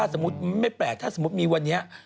สมมติไม่แปลกถ้ามีวันเนีย